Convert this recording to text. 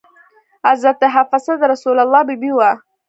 حضرت حفصه د رسول الله بي بي وه.